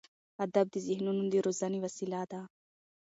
ادب د ذهنونو د روزنې وسیله ده.